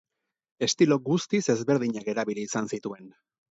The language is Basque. Estilo guztiz ezberdinak erabili izan zituen.